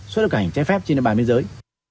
xuất nhập cảnh trái phép trên địa bàn biên giới